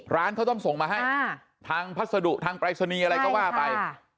ร้านเขาต้องส่งมาให้อ่าทางพัฒดุทางปริศนีย์อะไรก็ว่าไปใช่ค่ะ